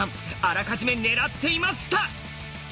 あらかじめ狙っていました！